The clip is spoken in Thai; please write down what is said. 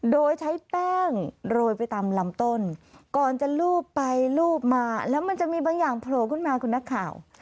โดยใช้แป้งโรยไปตามลำต้นก่อนจะลูบไปลูบมาแล้วมันจะมีบางอย่างโผล่ขึ้นมาคุณนักข่าว